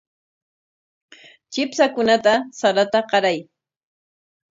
Chipshakunata sarata qaray.